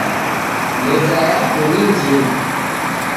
Meza yapo ni ndini